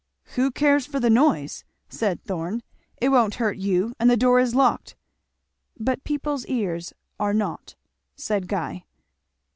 "Who cares for the noise?" said Thorn. "It won't hurt you; and the door is locked." "But people's ears are not," said Guy.